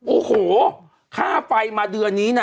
โอ้โหค่าไฟมาเดือนนี้นะ